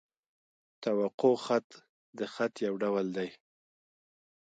توقع خط؛ د خط یو ډول دﺉ.